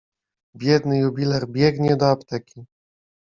Biedny jubiler biegnie do apteki.